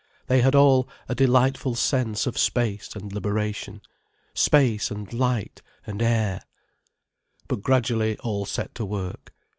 They had all a delightful sense of space and liberation, space and light and air. But gradually all set to work.